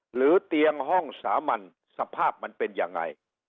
หรือเตียงห้องสามัญสภาพมันเป็นยังไง